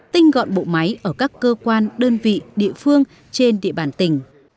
tinh gọn bộ máy ở các cơ quan đơn vị địa phương trên địa bàn tỉnh